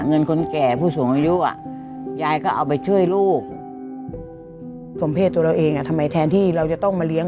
เงินคนแก่ผู้สูงอายุ